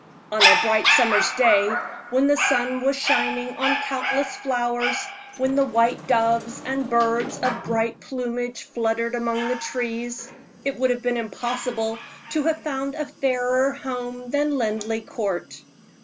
On a bright summer's day, when the sun was shining on countless flowers, when the white doves and birds of bright plumage fluttered among the trees, it would have been impossible to have found a fairer home than Linleigh Court.